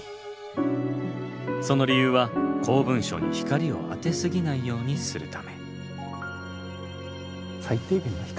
その理由は公文書に光を当てすぎないようにするため。